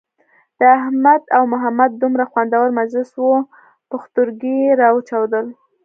د احمد او محمد دومره خوندور مجلس وو پوښتورگي یې را وچاودل.